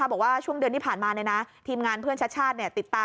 บอกว่าช่วงเดือนที่ผ่านมาเลยนะทีมงานเพื่อนชัดชาติเนี้ยติดตามพวก